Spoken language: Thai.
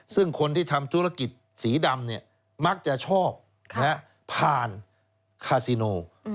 ซึ่งคนที่ทำธุรกิจสีดำมักจะชอบผ่านคาซิโน